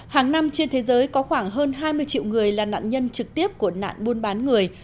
hàng năm trên thế giới có khoảng hơn hai mươi triệu người là nạn nhân trực tiếp của nạn buôn bán người